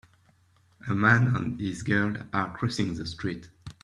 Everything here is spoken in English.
A man and his girl are crossing the street.